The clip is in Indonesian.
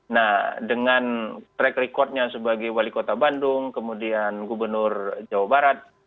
nah dengan track recordnya sebagai wali kota bandung kemudian gubernur jawa barat